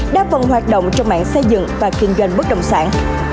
đáp vận hoạt động trong mạng xây dựng và kinh doanh bất động sản